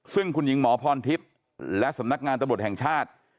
ซึ่งคุณหญิงหมอพรทิพย์และสำนักงานตำรวจแห่งชาติ